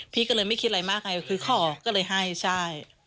พี่ก็เลยไม่คิดอะไรมากไงคือขอก็เลยให้ใช่